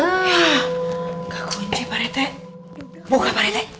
nggak kunci perempuan buka perempuan